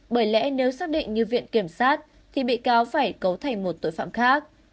bởi lẽ nếu xác định như viện kiểm sát thì bị cáo phải cấu thành một tội phạm khác